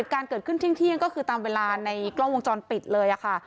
การเกิดขึ้นเที่ยงก็คือตามเวลาในกล้องวงจรปิดเลยค่ะ